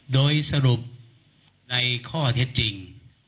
โดยสรุปในข้อเท็จจริง